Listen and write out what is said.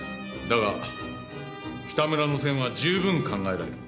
だが北村の線は十分考えられる。